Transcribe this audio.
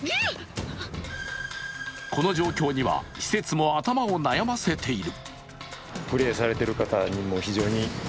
この状況には施設も頭を悩ませている。